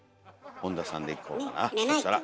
本田さんでいこうかなそしたら。